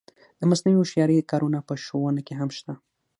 د مصنوعي هوښیارۍ کارونه په ښوونه کې هم شته.